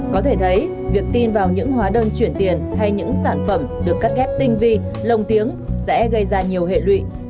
có thể thấy việc tin vào những hóa đơn chuyển tiền hay những sản phẩm được cắt ghép tinh vi lồng tiếng sẽ gây ra nhiều hệ lụy